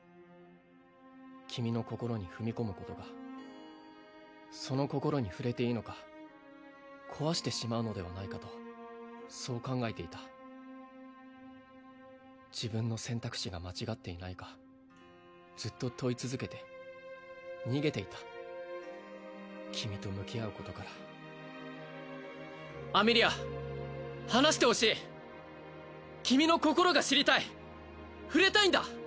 君の心に踏み込むことがその心に触れていいのか壊してしまうのではないかとそう考えていた自分の選択肢が間違っていないかずっと問い続けて逃げていた君と向き合うことからアメリア話してほしい君の心が知りたい触れたいんだ！